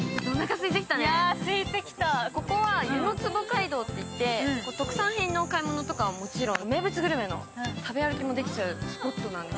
ここは湯の坪街道といって特産品のお買い物はもちろん、名物グルメの食べ歩きもできちゃうスポットなんです。